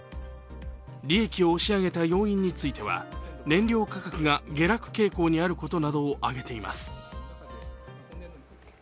利益を押し上げた要因については燃料価格が下落傾向にあることなどを挙げています。